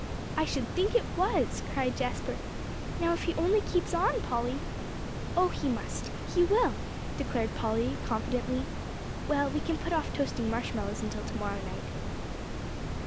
"I should think it was," cried Jasper. "Now if he only keeps on, Polly." "Oh, he must; he will," declared Polly confidently. "Well, we can put off toasting marshmallows until to morrow night."